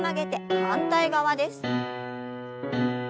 反対側です。